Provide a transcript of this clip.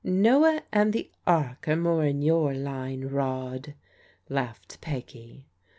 " Noah and the Ark are more in your line, Rod/* laughed Peggy.